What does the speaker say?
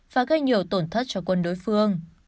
và gây nhiều tổn thất cho quân đối phương